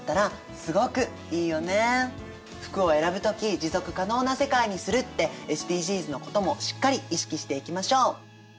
服を選ぶ時持続可能な世界にするってＳＤＧｓのこともしっかり意識していきましょう。